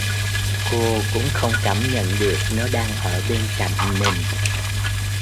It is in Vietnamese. Cô cũng Không Cảm nhận được nó đang ở bên cạnh mình